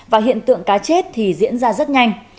và hiện tượng cá chết thì diễn ra rất nhanh